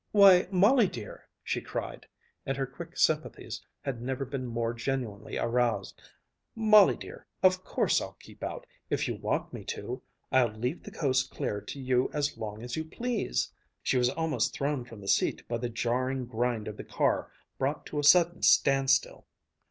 "Why, Molly dear!" she cried, and her quick sympathies had never been more genuinely aroused, "Molly dear, of course I'll keep out, if you want me to. I'll leave the coast clear to you as long as you please." She was almost thrown from the seat by the jarring grind of the car brought to a sudden standstill.